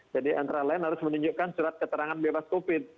jadi antara lain harus menunjukkan surat keterangan bebas covid